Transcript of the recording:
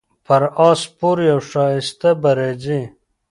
پر اس سپور یو ښایسته به راځي